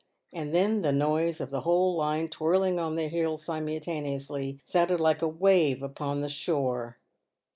and then the noise of the whole line twirling on their heels simultaneously, sounded like a wave upon the shore.